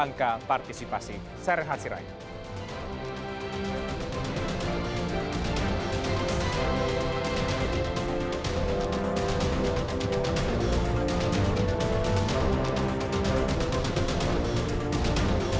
angka partisipasi serhat sirai